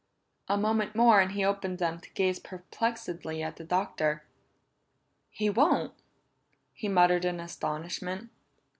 A moment more and he opened them to gaze perplexedly at the Doctor. "He won't!" he muttered in astonishment.